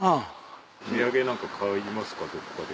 お土産何か買いますかどこかで。